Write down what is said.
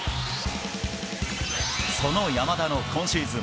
その山田の今シーズン